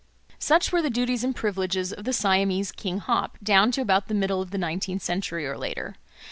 Such were the duties and privileges of the Siamese King Hop down to about the middle of the nineteenth century or later.